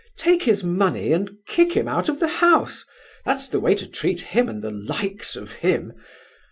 Take his money and kick him out of the house; that's the way to treat him and the likes of him!